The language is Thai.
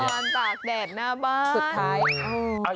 นอนตากแดดหน้าบ้าน